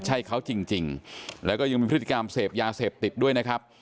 ใช่เขาจริงแล้วก็ยังมีพฤติกรรมเสพยาเสพติดด้วยนะครับ